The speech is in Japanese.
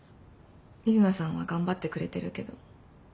瑞奈さんは頑張ってくれてるけど。